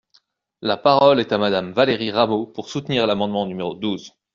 La parole est à Madame Valérie Rabault, pour soutenir l’amendement numéro douze.